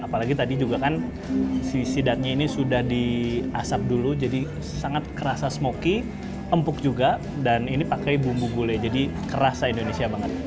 apalagi tadi juga kan si sidatnya ini sudah diasap dulu jadi sangat kerasa smoky empuk juga dan ini pakai bumbu gulai jadi kerasa indonesia banget